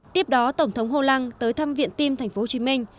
tiếp đó tổng thống hollande tới thăm viện tim thành phố hồ chí minh